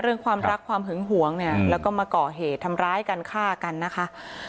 ความรักความหึงหวงเนี่ยแล้วก็มาก่อเหตุทำร้ายกันฆ่ากันนะคะ